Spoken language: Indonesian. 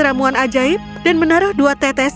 ramuan ajaib dan menaruh dua tetes